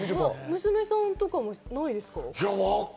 娘さんとか違いますか？